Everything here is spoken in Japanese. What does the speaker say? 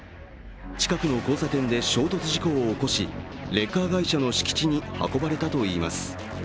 近くの交差点で衝突事故を起こし、レッカー会社の敷地に運ばれたといいます。